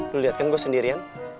lo liat kan gue sendirian